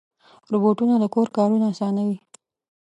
روبوټونه د کور کارونه اسانوي.